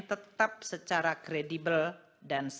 tetap secara kredibel dan